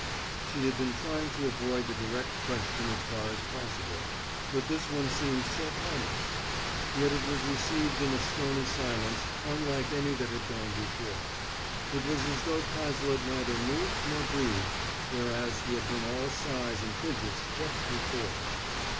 She had been trying to avoid the direct question as far as possible, but this one seemed so harmless. Yet it was received in a stony silence unlike any that had gone before. It was as though Cazalet neither moved nor breathed, whereas he had been all sighs and fidgets just before.